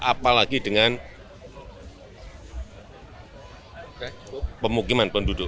apalagi dengan pemukiman penduduk